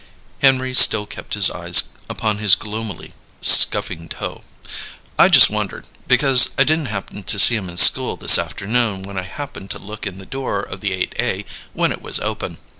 Henry still kept his eyes upon his gloomily scuffing toe. "I just wondered, because I didn't happen to see him in school this afternoon when I happened to look in the door of the Eight A when it was open.